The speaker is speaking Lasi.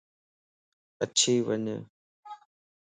اڇي وڃ